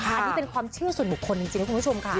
อันนี้เป็นความเชื่อส่วนบุคคลจริงนะคุณผู้ชมค่ะ